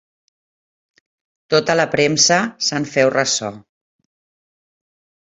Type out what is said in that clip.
Tota la premsa se'n feu ressò.